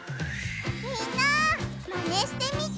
みんなマネしてみてね！